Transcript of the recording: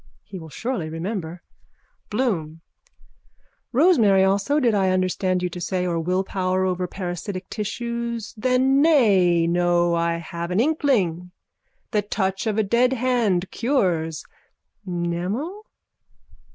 _ He will surely remember. BLOOM: Rosemary also did I understand you to say or willpower over parasitic tissues. Then nay no I have an inkling. The touch of a deadhand cures. Mnemo?